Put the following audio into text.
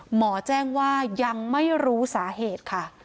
หมอแจ้งว่ายังไม่รู้สาเหตุค่ะ